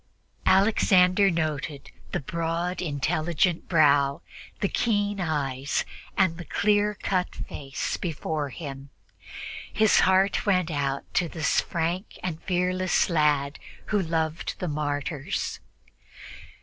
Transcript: Alexander noted the broad, intelligent brow, the keen eyes and the clear cut face before him. His heart went out to this frank and fearless lad who loved the martyrs.